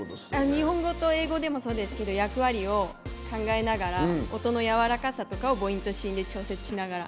日本語と英語でもそうですけど役割を考えながら音の柔らかさとかを母音と子音で調節しながら。